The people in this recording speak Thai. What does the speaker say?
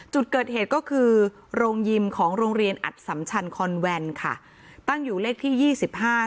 จุดเกิดเหตุก็คือโรงยิมของโรงเรียนอัดสัมชันคอนแวนค่ะตั้งอยู่เลขที่ยี่สิบห้า